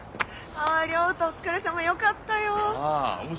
亮太お疲れさまよかったよ。